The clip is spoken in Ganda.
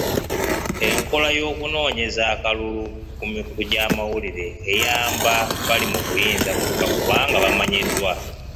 Enkola y'okunoonyeza akalulu ku emikutu gy'amawulire eyamba bali mu buyinza bokka kubanga bamanyiddwa.